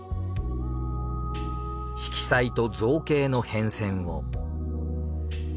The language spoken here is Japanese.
色彩と造形の変遷を。